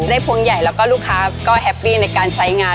พวงใหญ่แล้วก็ลูกค้าก็แฮปปี้ในการใช้งาน